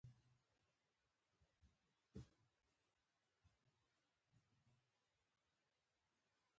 سبا ته او راتلونکو ورځو ته بدلون ورکړئ.